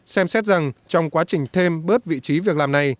xem xét rằng trong quá trình thêm bớt vị trí việc làm này